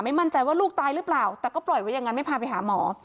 มั่นใจว่าลูกตายหรือเปล่าแต่ก็ปล่อยไว้อย่างนั้นไม่พาไปหาหมอ